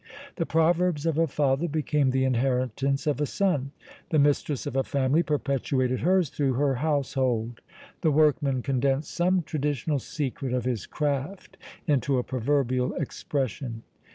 The proverbs of a father became the inheritance of a son; the mistress of a family perpetuated hers through her household; the workman condensed some traditional secret of his craft into a proverbial expression.